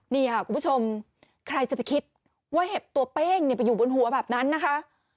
นี่ค่ะคุณผู้ชมใครจะไปคิดว่าเห็บตัวเป้งไปอยู่บนหัวแบบนั้นนะคะ